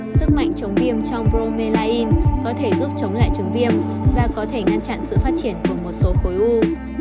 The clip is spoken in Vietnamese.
sức mạnh chống viêm trong promelain có thể giúp chống lại chứng viêm và có thể ngăn chặn sự phát triển của một số khối u